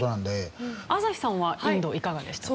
朝日さんはインドいかがでしたか？